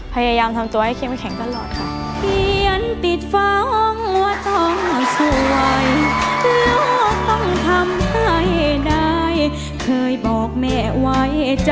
พยายามทำตัวให้เข้มแข็งตลอดค่ะ